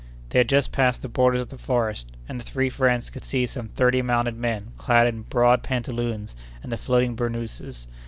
They had just passed the borders of the forest, and the three friends could see some thirty mounted men clad in broad pantaloons and the floating bournouses.